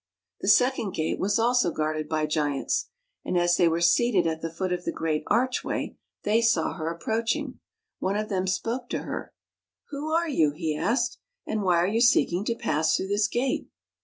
The second gate was also guarded by giants, and as they were seated at the foot of the great archway, they saw her approaching. One of them spoke to her. " Who are you? " he asked. " And why are you seeking to pass through this gate?"